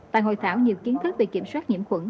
tại hội thảo nhiều kiến thức về kiểm soát nhiễm khuẩn